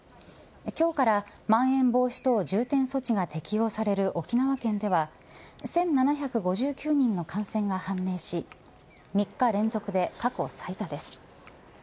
今日からまん延防止等重点措置が適用される沖縄県では１７５９人の感染が判明し３日連続で過去最多です。